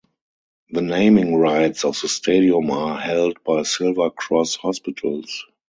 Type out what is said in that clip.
The naming rights of the stadium are held by Silver Cross Hospitals.